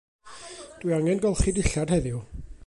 Dw i angen golchi dillad heddiw.